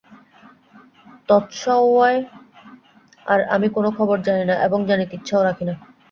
তৎসওয়ায় আর আমি কোন খবর জানি না এবং জানিতে ইচ্ছাও রাখি না।